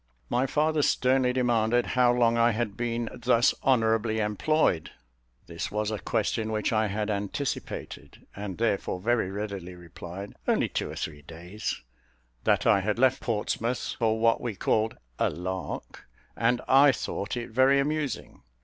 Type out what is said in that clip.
My father sternly demanded how long I had been thus honourably employed. This was a question which I had anticipated, and, therefore, very readily replied "Only two or three days;" that I had left Portsmouth for what we called "a lark," and I thought it very amusing.